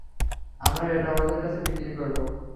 আমরা এটা ওদের কাছে বিক্রি করব।